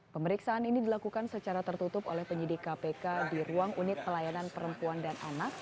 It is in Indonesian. pemeriksaan ini dilakukan secara tertutup oleh penyidik kpk di ruang unit pelayanan perempuan dan anak